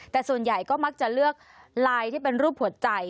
แต่ส่วนใหญ่ก็มักจะเลือกลายที่เป็นรูปหัวใจ